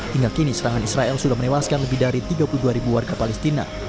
hingga kini serangan israel sudah menewaskan lebih dari tiga puluh dua ribu warga palestina